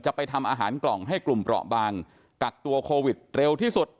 ไปทำอาหารกล่องให้กลุ่มเปราะบางกักตัวโควิดเร็วที่สุด